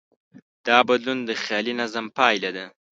دا بدلون د خیالي نظم پایله ده.